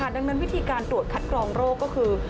ดังนั้นวิธีการตรวจคัดกรองโรคก็คือ